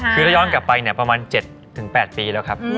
คือถ้าย้อนกลับไปประมาณ๗๘ปีแล้วครับ